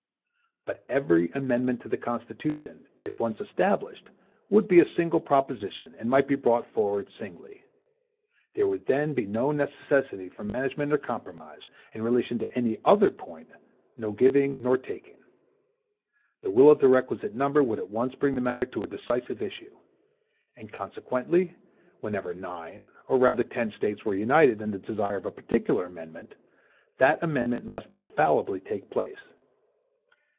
But every amendment to the Constitution, if once established, would be a single proposition, and might be brought forward singly. There would then be no necessity for management or compromise, in relation to any other point no giving nor taking. The will of the requisite number would at once bring the matter to a decisive issue. And consequently, whenever nine, or rather ten States, were united in the desire of a particular amendment, that amendment must infallibly take place.